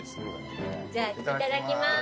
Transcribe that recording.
じゃあいただきます。